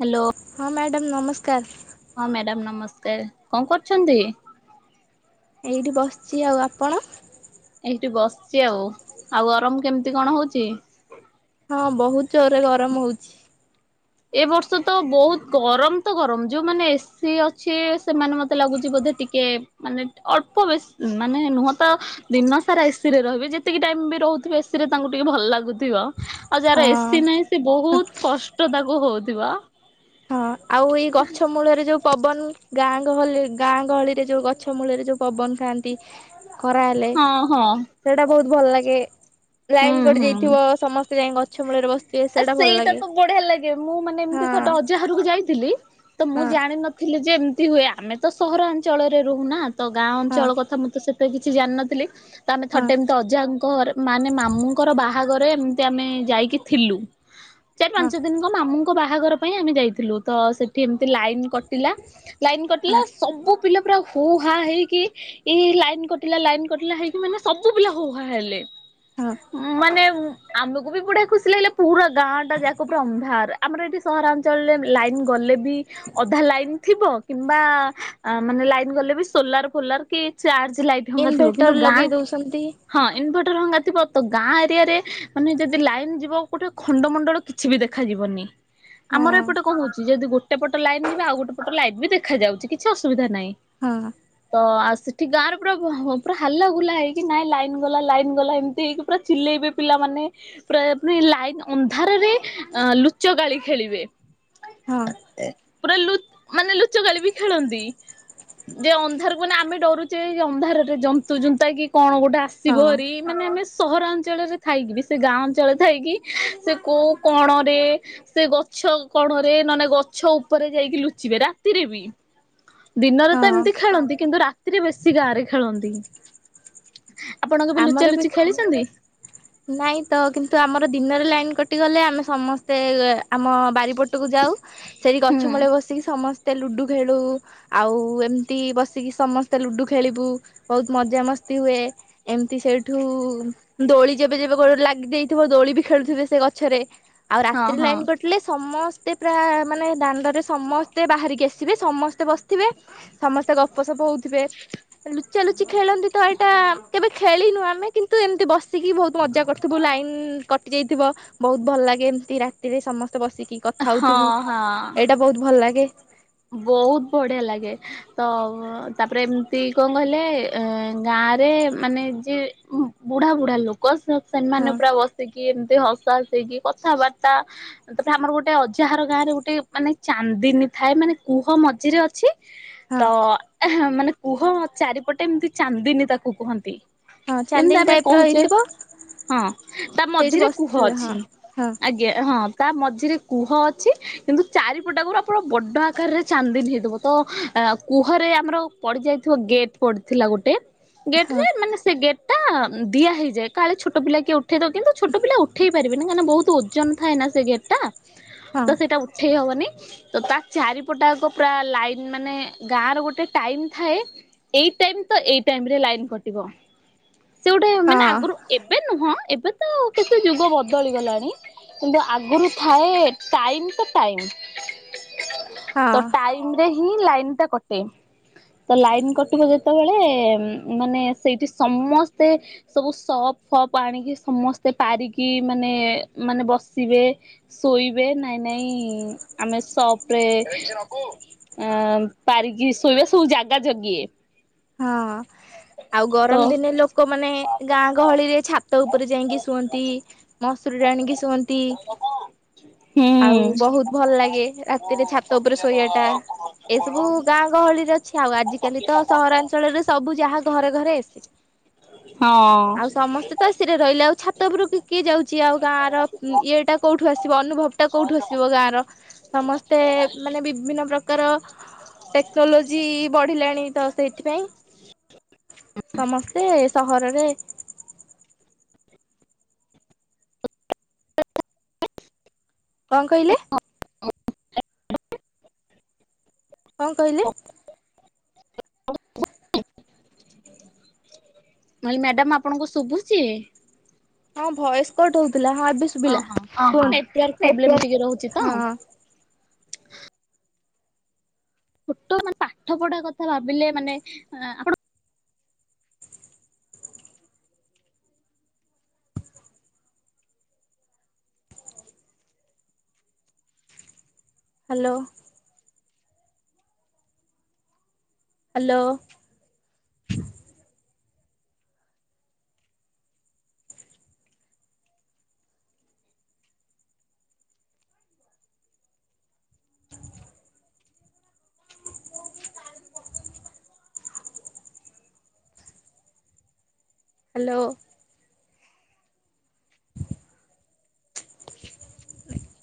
Hello. ହଁ madam ନମସ୍କାର। ହଁ ମ୍ୟାଡ଼ାମ ନମସ୍କାର। କଣ କରୁଛନ୍ତି? ଏଇଠି ବସିଛି। ଆଉ ଆପଣ? ଏଇଠି ବସିଛି ଆଉ। ଆଉ ଗରମ କେମିତି କଣ ହଉଛି? ହଁ ବହୁତ ଜୋରରେ ଗରମ ହଉଛି। ଏ ବର୍ଷ ତ ବହୁତ ଗରମ ତ ଗରମ ଯୋଉଁମାନେ ଏସିି ଅଛି ସେମାନେ ମତେ ଲାଗୁଛି ବୋଧେ ଟିକେ ମାନେ ଅଳ୍ପ ବେଶ ମାନେ ନୁହ ତ ଦିନ ସାରା ଏସିରେ ରହିବେ ଯେତିକି ଟାଇମ ବି ରହୁଥିବେ ଏସିି ରେ ତାଙ୍କୁ ଟିକେ ଭଲ ଲାଗୁଥିବ। ଆଉ ଯାହାର ହଁ ଏସିି ନାହିଁ ସେ ବହୁତ କଷ୍ଟ ତାକୁ ହଉଥିବ। ହଁ ଆଉ ଏଇ ଗଛ ମୂଳରେ ଯୋଉ ପବନ ଗାଁ ଗହଳି ଗାଁ ଗହଳିରେ ଯୋଉ ଗଛ ମୂଳରେ ଯୋଉ ପବନ ଖାଆନ୍ତି। ଖରାହେଲେ ହଁ ହଁ ସେଇଟା ବହୁତ ଭଲ ଲାଗେ। ହୁଁ ଲାଇନ୍ କଟି ହୁଁ। ଯାଇଥିବ ସମସ୍ତେ ଯାଇକି ଗଛ ମୂଳରେ ବ ଆ ସେଇଟା ତ ବଢିଆ ଲାଗେ ମୁଁ ମାନେ ଏମିତି ହଁ [unintelligible] ଅଜା ବାହାରକୁ ଯାଇଥିଲି। ତ ମୁଁ ହଁ ଜାଣିନଥିଲି ଯେ ଏମିତି ହୁଏ ଆମେ ତ ସହରାଞ୍ଚଳରେ ରହୁନା। ତ ଗାଁ ହଁ ଅଞ୍ଚଳ କଥା ମୁଁ ତ ସେତେ କିଛି ଜାଣିନଥିଲି। ତ ଆମେ ହଁ ଥରଟେ ଏମିତି ଅଜାଙ୍କର ମାନେ ମାମୁଁଙ୍କର ବାହାଘରେ ଏମିତି ଆମେ ଯାଇକି ଥିଲୁ। ଚାରି ହଁ ପାଞ୍ଚ ଦିନଙ୍କ ମାମୁଙ୍କ ବାହାଘର ପାଇଁ ଆମେ ଯାଇଥିଲୁ ତ ସେ ଏଠି ଏମତି ଲାଇନ କଟିଲା ଲାଇନ କଟିଲା ହଁ ସବୁ ପିଲା ପୁରା ହୋ ହା ହେଇକି ଏଇ ଲାଇନ କଟିଲା ଲାଇନ କଟିଲା ହେଇ ମାନେ ସବୁ ପିଲା ହୋହା ହେଲେ ହଁ। ମାନେ ଆମକୁ ବି ବୁଢିଆ ଖୁସି ଲାଗିଲା ପୁରା ଗାଁ ଟା ଯାକ ପୁର ଅନ୍ଧାର ଆମର ଏଇଠି ସହରାଞ୍ଚଳରେ ଲାଇନ୍ ଗଲେ ବି ଅଧା ଲାଇନ ଥିବ କିମ୍ବା ଆ ମାନେ ଲାଇନ୍ ଗଲେ ବି ସୋଲାର ଫୋଲାର କି ଚାର୍ଜ ଲାଇଟ୍-' ଙ୍ଗା ଥିବ ଇନଭେଟର କିନ୍ତୁ ଗାଁ ଲଗେଇ ଦଉଛନ୍ତି ହଁ ଇନଭର୍ଟର ଭଙ୍ଗା ଥିବ ତ ଗାଁ ଏରିଆ ରେ ମାନେ ଯଦି ଲାଇନ ଯିବ ଗୋଟେ ଖଣ୍ଡମଣ୍ଡଳ କିଛି ବି ଦେଖାଯିବନି। ହଁ ଆମର ଏପଟେ କଣ ହୋଉଚି ଯେଦି ଗୋଟେ ପଟ ଲାଇନ୍ ଯିବ ଆଉ ଗୋଟେ ପଟ ଲାଇନ ବି ଦେଖ ଖା ଯାଉଚି କିଛି ଅସୁବିଧା ନାହିଁ। ହଁ। ତ ଆଉ ସେଠି ଗାଁରେ ପୁରା ପୁରା ହାଲା ଗୁଲା ହେଇକି ନାଇଁ ଲାଇନ୍ ଗଲା ଲାଇନ ଗଲା ଏମିତି ହେଇକି ପୁରା ଚିଲେଇବେ ପିଲାମାନେ ପୁରା ମାନେ ଲା ଆଇନ୍ ଅନ୍ଧାରରେ ଲୁଚ ଗାଳି ଖେଳିବେ। ହଁ। ପୁରା ଲୁଚ୍ ମାନେ ଲୁଚ ଗାଳି ବି ଖେଳନ୍ତି। ଯେ ଅନ୍ଧାରକୁଆନେ ଆମେ ଡରୁଚେ ଅନ୍ଧାରରେ ଜନ୍ତୁ ଯୁନ୍ତା କି କଣ ଗୋଟେ ହଁ ଆସିବହାରି ମାନେ ଆମେ ସହରାଞ୍ଚଳରେ ଥାଇକି ବି ସେ ଗାଁ ଅଞ୍ଚଳରେ ଥାଇକି ସେ କୋଉ କଣରେ ସେ ଗଛ କଣରେ ନନେ ଗଛ ଉପରେ ଯାଇକି ଲୁଚିବେ ରାତିରେ ବି। ଦିନରେ ତ ହଁ। ଏମିତି ଖେଳନ୍ତି କିନ୍ତୁ ରା ଏଥିରେ ବେଶୀ ଗାଁ ରେ ଖେଳନ୍ତି ଆପଣ କେବେ ଆମର ଲୁଚା ବି ଲୁଚି ଖେଳିଚନ୍ତି। ନାଇଁ ତ କିନ୍ତୁ ଆମର ଦିନରେ ଲାଇନ୍ କଟିଗଲେ ଆମେ ସମସ୍ତେ ଆମ ବାରିପଟକୁ ଯାଉ ସେଇଟି ହୁଁ ଗଛ ମୂଳେ ବସିକି ସମସ୍ତେ ଲୁଡୁ ଖେଳୁ ଆଉ ଏମିତି ବସିକି ସମସ୍ତେ ଲୁଡୁ ଖେଳିବୁ ବୋହୁତ ମଜାମସ୍ତି ହୁଏ। ଏମିତି ସେଇଠୁ ଦୋଳି ଯେବେ ଯେବେ ଗୋ ଲାଗି ଦେଇଥିବ ଦୋଳି ବି ଖେଳୁଥିବ ସେ ଗଛରେ ଆଉ ହଁ ରାତିରେ ହଁ ଲାଇନ କ ଲେ ସମସ୍ତେ ପ୍ରାୟ ମାନେ ଦାଣ୍ଡରେ ସମସ୍ତେ ବାହାରିକି ଆସିବେ ସମସ୍ତେ ବସିଥିବେ ସମସ୍ତେ ଗପସପ ହୋଉଥିବେ। ଲୁଚା ଲୁଚି ଖେଳନ୍ତି ତ ଏଇଟା କେବେ ଖେଳିନୁ ଆମେ କିନ୍ତୁ ଏମିତି ବସିକି ବୋହୁତ ମଜା କରିଥିବୁ ଲାଇନ କଟି ଯାଇଥିବ ବୋହୁତ ଭଲ ଲାଗେ ଏମତି ରାତିରେ ସମସ୍ତେ ବସିକି କଥା ହଉଥିବୁ ହଁ ଏଇଟା ବୋହୁତ ଭଲ ଲାଗେ। ବୋହୁତ ବଢିଆ ଲାଗେ। ତ ତାପରେ ଏମିତି କଣ କହିଲେ ଅ ଗାଁରେ ମାନେ ଯିଏ ଉଁହୁଁ। ବୁଢା ବୁଢା ଲୋକ ସେ ହଁ ସେମାନେ ପୁରା ବସିକି ଏମତି ହସା ହସିଇକି କଥାବାର୍ତ୍ତା ତା ପରେ ଆମର ଗୋଟେ ଅଜାହାର ଗାଁ ରେ ଗୋଟେ ମାନେ ଚାନ୍ଦିନୀ ଥାଏ ମାନେ କୁହ ମଝିରେ ଅଛି ତ ହଁ ଏହେଁ ମାନେ କୁହ ଚାରିପଟେ ଏମିତି ଚାନ୍ଦିନି ତାକୁ କୁହନ୍ତି। ହଁ ଏମ୍ତି ଚାନ୍ଦିନୀ ଆମେ ଟାଇପ୍ ର କୋହୁଚେ ହେଇଥିବ ହଁ ତା ସେଇଠି ମଝିରେ କୁହ ବସିଥିବେ ଅଛି ହଁ ଆଗ୍ ଜ୍ଞା ହଁ ତା ମଝିରେ କୁହ ଅଛି କିନ୍ତୁ ଚାରିପଟା ଗରୁ ଆପଣ ବଡ ଆ ଆକାରରେ ଚାନ୍ଦିନି ହେଇଥିବ ତ କୁହରେ ଆମର ପଡି ଯାଇଥିବା ଗେଟ୍ ପଡିଥିଲା ଗୋଟେ ଗେଟ ରେ ମାନେ ସେ ଗେଟ୍ ଟା ଦିଆ ହେଇଯାଏ କାଳେ ଛୋଟ ପିଲା କିଏ ଉ ଉଠେଇ ଦ କିନ୍ତୁ ଛୋଟ ପିଲା ଉଠେଇ ପାରିବେନି କାହିଁକି ବୋହୁତୁ ଓଜନ ଥାଇ ସେ ଗେଟ୍ ଟା ହଁ ତ ସେଇଟା ଠିକ ହବନି ତ ତା। ଚାରିପଟାକ ପୁରା ଲାଇନ୍ ମାନେ ଗାଁର ଗୋଟେ ଟାଇମ୍ ଥାଏ। ଏଇ ଟାଇମ ତ ଏଇ ଟାଇମ ରେ ଲାଇନ କଟିବ ସେ ଗୋଟେ ହଁ ମାନେ ଆଗରୁ ଏବେ ନୁହଁ ଏବେ ତ କେତେ ଯୁଗ ବଦଳି ଗଲାଣି। କିନ୍ତୁ ଆଗରୁ ଥାଏ ଟାଇମ ଟୁ ଟାଇମ। ହଁ ତ ଟାଇମ ରେ ହିଁ ଲାଇନ ଟା କଟେ। ତ ଲାଇନ୍ କଟିବ ଯେତେବେଳେ ମାନେ ସେଇଠି ସମସ୍ତେ ସବୁ ସପ ଫପ୍ ଆଣିକି ସମସ୍ତେ ପାରିକି ମାନେ ମାନେ ବସିବେ। ଶୋଇବେ ନାଇଁ ନାଇଁ ଆମେ ସବ ରେ ଅ ପାରିକି ଶୋଇବା ସବୁ ଜାଗା ଜଗିଏ। ହଁ ଆଉ ତ ଗରମ ଦିନେ ହୁଁ ଲୋ କମାନେ ଗାଁ ଗହଳିରେ ଛାତ ଉପରେ ଯାଇକି ଶୁଅନ୍ତି। ମସୁରୀ ଟାଣିକି ଶୁଅନ୍ତି। ହଁ। ଆଉ ବହୁତ ଭଲ ଲାଗେ ରାତିରେ ଛାତ ଉପରେ ଶୋଇବା ଟା। ଏସବୁ ଗାଁ ଗହଳିରେ ଅଛି ଆଉ ଆଜିକାଲି ତ, ସହରାଞ୍ଚଳରେ ସବୁ ଯାହା ଘରେ ଘରେ ଏସି ମୁଁ ଆଉ ସମସ୍ତେ ତ ସେ ଯିଏ ରହିଲେ ଆଉ ଛାତ ଉପରୁକୁ କିଏ ଯାଉଛି ଆଉ ଗାଁ ର ଇଏଟା କୋଉଠୁ ଆସିବ ଅନୁଭବ। ପଟ କଉଠୁ ଆସିବ ଗାଁର ସମସ୍ତେ ମାନେ ବିଭିନ୍ନ ପ୍ରକାର ଟେକ୍ନୋଲୋଜି ବଢିଲାଣି ତ। ସେଇଥିପାଇଁ ସମସ୍ତେ ସହରରେ। କଣ କହିଲେ? [unintelligible] କଣ କହିଲେ? [unintelligible] ନ ହେଲେ ମ୍ୟାଡମ ଆପଣଙ୍କୁ ଶୁଭୁଛି? ହଁ ଭୟସ କଟ ହଉଥିଲା ହଁ ଏବେ ସୁଭିଲା ଓହୋ ହଁ ହଁ କୁହନ୍ତୁ, ନେଟୱାର୍କ ପ୍ରୋବ୍ଲେମ ଟିକେ ରହୁଛି ତ ନେଟୱର୍କ। ଛୋଟ ମାନେ ପାଠ ପଢା କଥା ଭାବିଲେ ମାନେ ଆପଣ ହାଲୋ। ହାଲୋ। [unintelligible] ହାଲୋ।